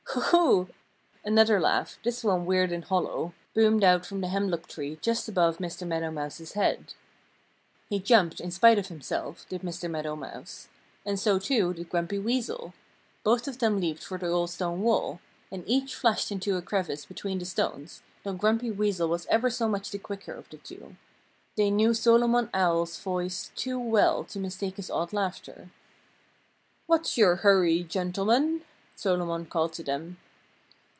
"Hoo, hoo!" Another laugh this one weird and hollow boomed out from the hemlock tree just above Mr. Meadow Mouse's head. He jumped, in spite of himself did Mr. Meadow Mouse. And so, too, did Grumpy Weasel. Both of them leaped for the old stone wall. And each flashed into a crevice between the stones, though Grumpy Weasel was ever so much the quicker of the two. They knew Solomon Owl's voice too well to mistake his odd laughter. "What's your hurry, gentlemen?" Solomon called to them.